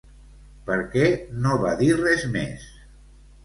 Per què no va dir res més?